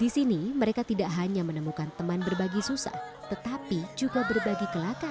di sini mereka tidak hanya menemukan teman berbagi susah tetapi juga berbagi kelakar